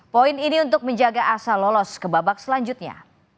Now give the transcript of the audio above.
poin ini untuk menjaga asa lolos ke babak selanjutnya